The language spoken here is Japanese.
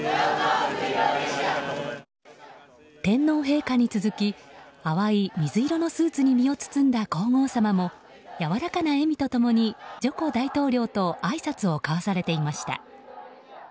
天皇陛下に続き淡い水色のスーツに身を包んだ皇后さまもやわらかな笑みと共にジョコ大統領とあいさつを交わされていました。